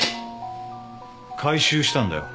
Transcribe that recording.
回収したんだよ。